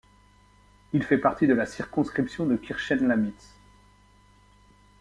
Il fait partie de la circonscription de Kirchenlamitz.